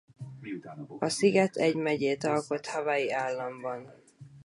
A sziget egy megyét alkot Hawaii államban.